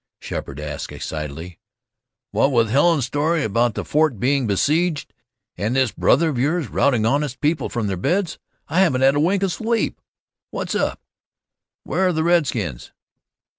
Sheppard asked excitedly. "What with Helen's story about the fort being besieged, and this brother of yours routing honest people from their beds, I haven't had a wink of sleep. What's up? Where are the redskins?"